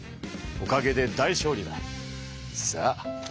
おかげで大勝利だ。さあ。